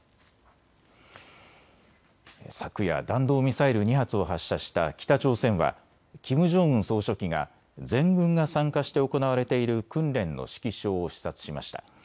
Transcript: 昨夜、弾道ミサイル２発を発射した北朝鮮はキム・ジョンウン総書記が全軍が参加して行われている訓練の指揮所を視察しました。